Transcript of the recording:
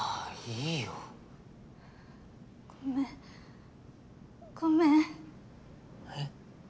いいよごめごめんえっ？